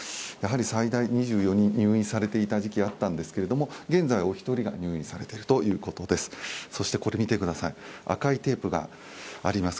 最大２４人入院されていた時期があったんですけれども現在はおひとりが入院されているということであります。